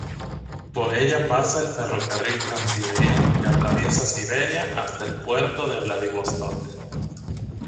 Por ella pasa el ferrocarril Transiberiano que atraviesa Siberia hasta el puerto de Vladivostok.